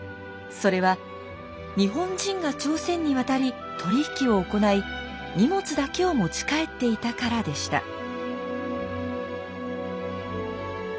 それは日本人が朝鮮に渡り取り引きを行い荷物だけを持ち帰っていたからでした。